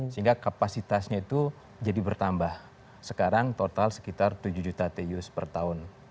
sehingga kapasitasnya itu jadi bertambah sekarang total sekitar tujuh juta teus per tahun